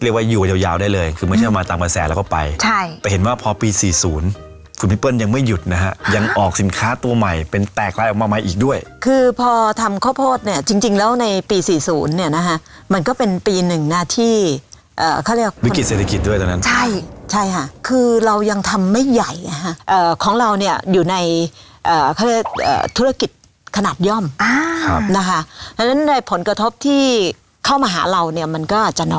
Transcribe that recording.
เรียกว่าอยู่ยาวได้เลยคือไม่ใช่มาตามประแสแล้วก็ไปใช่แต่เห็นว่าพอปีสี่ศูนย์คุณพี่เปิ้ลยังไม่หยุดนะคะยังออกสินค้าตัวใหม่เป็นแตกลายออกมาไหมอีกด้วยคือพอทำข้อโพธิเนี่ยจริงแล้วในปีสี่ศูนย์เนี่ยนะคะมันก็เป็นปีหนึ่งนะที่เอ่อเขาเรียกวิกฤตเศรษฐกิจด้วยตอนนั้นใช่ใช่ค่ะคือเรายัง